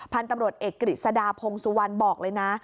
พันธุ์ตำรวจเอกกฤษฎาพงสุวรรณบอกเลยนะ